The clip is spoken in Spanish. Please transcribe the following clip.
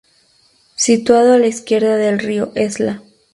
Situado a la izquierda del Río Esla.